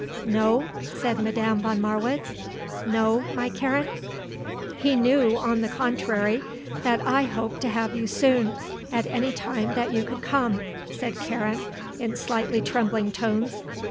"No?" said Madame von Marwitz. "No, my Karen?" "He knew, on the contrary, that I hoped to have you soon at any time that you could come," said Karen, in slightly trembling tones.